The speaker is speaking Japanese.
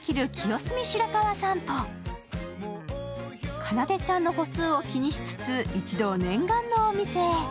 かなでちゃんの歩数を気にしつつ一同念願のお店へ。